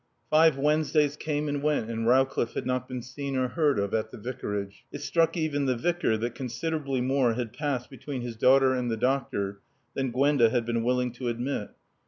Five Wednesdays came and went and Rowcliffe had not been seen or heard of at the Vicarage. It struck even the Vicar that considerably more had passed between his daughter and the doctor than Gwenda had been willing to admit.